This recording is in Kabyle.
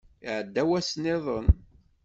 Iɛedda wass niḍen.